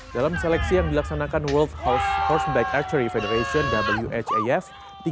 dalam seleksi yang dilaksanakan world horseback archery federation whaf